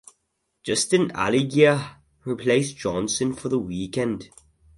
Justin Allgaier replaced Johnson for the weekend.